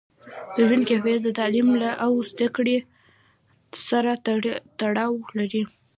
د ژوند کیفیت د تعلیم او زده کړې سره تړاو لري.